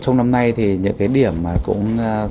trong năm nay thì những cái điểm mà cũng